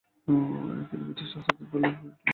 তিনি ব্রিটিশ রাজনৈতিক দল টরি'র সমর্থক ছিলেন।